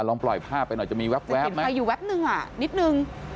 ลองปล่อยภาพไปหน่อยจะมีแว๊บไหมจะกินไฟอยู่แว๊บนึงนิดนึง